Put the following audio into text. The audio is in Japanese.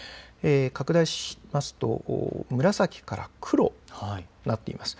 拡大しますと紫から黒になっています。